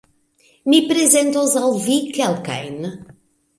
Mi prezentos al vi kelkajn.